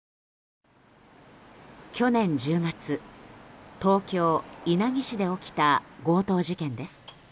去年１０月、東京・稲城市で起きた強盗事件です。